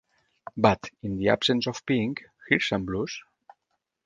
"But, in the absence of pink, here's some blues".